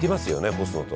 干すのと。